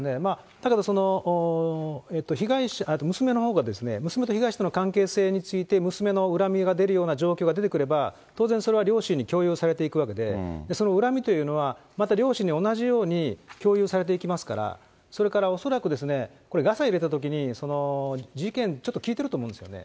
例えば被害者、娘のほうが娘と被害者の関係性について、娘の恨みの状況が出てくれば、当然、それは両親に共有されていくわけで、その恨みというのは、また両親に同じように共有されていきますから、それから恐らくですね、これ、ガサ入れたときに事件、ちょっと聞いてると思うんですよね。